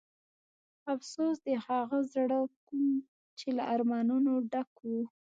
افسوس د هغه زړه کوم چې له ارمانونو ډک و.